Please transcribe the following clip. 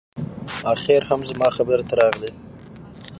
اخیر هم زما خبرې ته راغلې